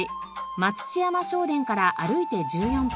待乳山聖天から歩いて１４分。